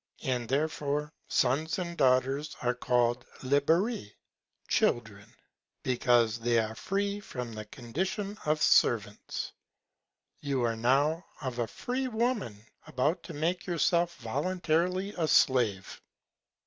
And therefore Sons and Daughters are call'd [liberi] Children, because they are free from the Condition of Servants. You are now of a free Woman about to make yourself voluntarily a Slave.